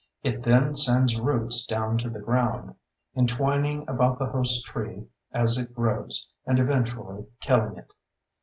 It then sends roots down to the ground, entwining about the host tree as it grows, and eventually killing it.